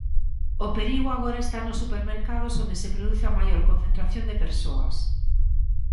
O perigo agora está nos supermercados onde se produce a maior concentración de persoas.